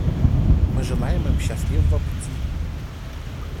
Мы желаем им счастливого пути.